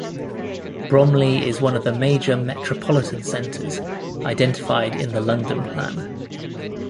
Bromley is one of the major metropolitan centres identified in the London Plan.